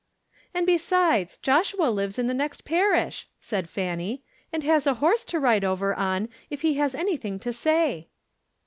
"And besides, Joshua lives in the next parish," said Fanny, "and has a horse to ride over on if he has anything to say."